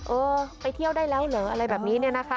เออไปเที่ยวได้แล้วเหรออะไรแบบนี้เนี่ยนะคะ